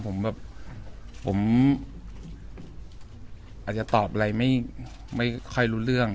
ผมแบบผมอาจจะตอบอะไรไม่ค่อยรู้เรื่อง